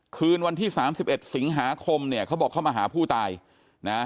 คืนวันที่๓๑สิงหาคมเนี่ยเขาบอกเขามาหาผู้ตายนะ